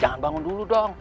jangan bangun dulu dong